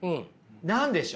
何でしょう？